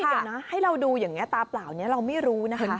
เดี๋ยวนะให้เราดูอย่างนี้ตาเปล่านี้เราไม่รู้นะคะ